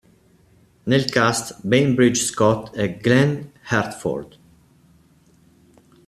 Nel cast, Bainbridge Scott e Glen Hartford.